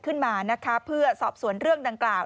ขึ้นมานะคะเพื่อสอบสวนเรื่องดังกล่าว